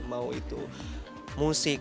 mau itu musik